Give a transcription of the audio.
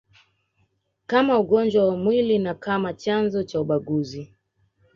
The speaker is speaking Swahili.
kama ugonjwa wa mwili na kama chanzo cha ubaguzi